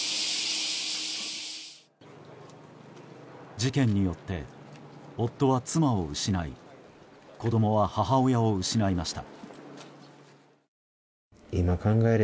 事件によって、夫は妻を失い子供は母親を失いました。